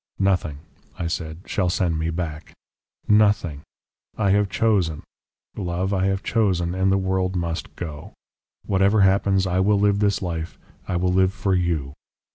"'Nothing,' I said, 'shall send me back. Nothing! I have chosen. Love, I have chosen, and the world must go. Whatever happens I will live this life I will live for YOU!